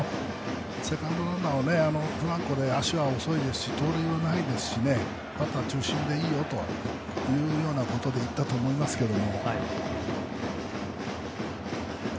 セカンドランナーはフランコで足は遅いですし盗塁はないですしバッター中心でいいよということで言ったと思いますけど。